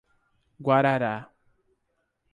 Guarará